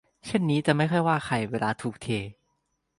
เช่นนี่จะไม่ค่อยว่าใครเวลาถูกเท